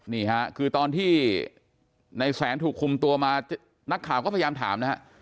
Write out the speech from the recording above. นี่ค่ะคือตอนที่ในแสนถูกคุมตัวมานักข่าวก็พยายามถามนะฮะ